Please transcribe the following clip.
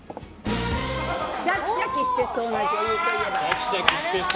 シャキシャキしてそうな女優といえば？